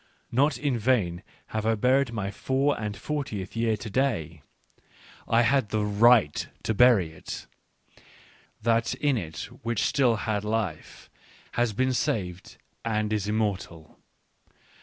Not in vain have I buried my four and fortieth year to day ; I had the right to bury it — that in it which still had life, has been saved and is immortal.